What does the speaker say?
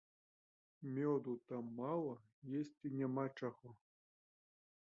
Мёду там мала, есці няма чаго.